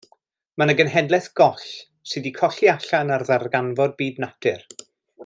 Ma 'na genhedlaeth goll sy' 'di colli allan ar ddarganfod byd natur.